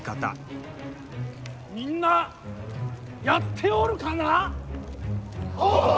みんな、やっておるかな。